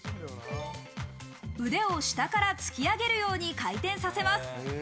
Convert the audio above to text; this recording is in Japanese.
腕を下から突き上げるように回転させます。